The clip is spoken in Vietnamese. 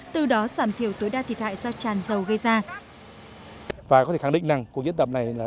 từ đó giảm thiểu tối đa thiệt hại do tràn dầu gây ra